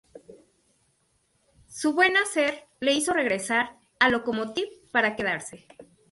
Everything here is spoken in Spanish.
Su buen hacer le hizo regresar al Lokomotiv para quedarse.